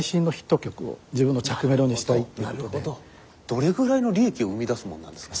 どれぐらいの利益を生み出すもんなんですか？